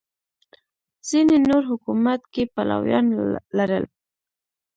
ځینې نور حکومت کې پلویان لرل